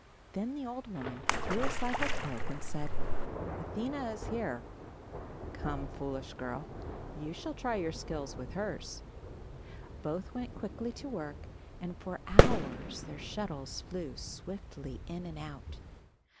Then the old woman threw aside her cloak and said, "Athena is here. "Come, foolish girl, you shall try your skill with hers." Both went quickly to work and for hours their shuttles flew swiftly in and out.